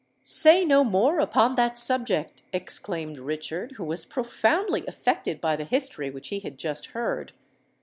"Say no more upon that subject," exclaimed Richard, who was profoundly affected by the history which he had just heard.